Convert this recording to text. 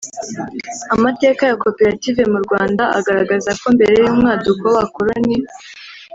Amateka ya koperative mu Rwanda agaragaza ko mbere y’umwaduko w’abakoloni